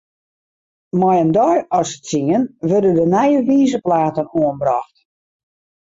Mei in deis as tsien wurde de nije wizerplaten oanbrocht.